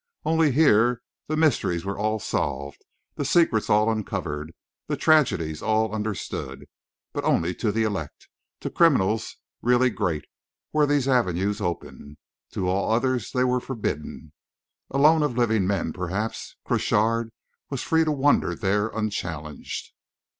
Only, here, the mysteries were all solved, the secrets all uncovered, the tragedies all understood. But only to the elect, to criminals really great, were these avenues open; to all others they were forbidden. Alone of living men, perhaps, Crochard was free to wander there unchallenged.